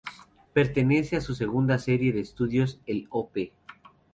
Pertenece a su segunda serie de estudios, el Op.